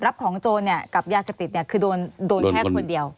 รับของโจรกับยาเสพติดคือโดนแค่คนเดียว